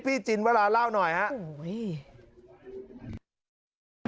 พี่จินเวลาเล่าหน่อยครับ